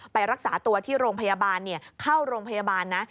ไปรักษาตัวที่โรงพยาบาลเข้าโรงพยาบาลนะ